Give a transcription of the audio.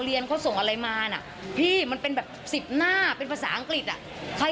เราไม่ได้ไปบังคับเค้า